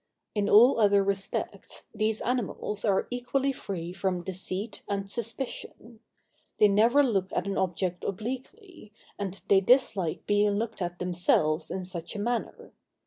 In all other respects, these animals are equally free from deceit and suspicion. They never look at an object obliquely, and they dislike being looked at themselves in such a manner.